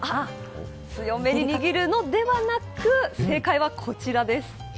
強めに握るのではなく正解はこちらです。